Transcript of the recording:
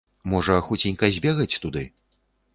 Можа, хуценька збегаць туды?